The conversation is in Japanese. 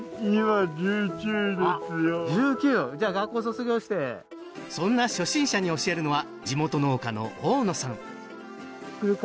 １９じゃあ学校卒業してそんな初心者に教えるのは地元農家の大野さん